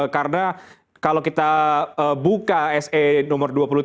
karena kalau kita buka se nomor dua puluh tiga